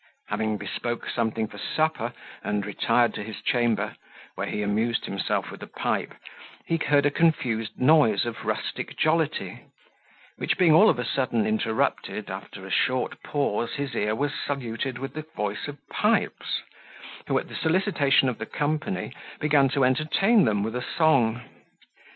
Having bespoke something for supper, and retired to his chamber, where he amused himself with a pipe, he heard a confused noise of rustic jollity, which being all of a sudden interrupted, after a short pause his ear was saluted with the voice of Pipes, who, at the solicitation of the company, began to entertain them with a song.